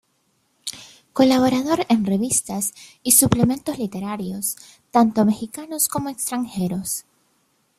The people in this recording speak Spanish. Colaborador en revistas y suplementos literarios tanto mexicanos como extranjeros.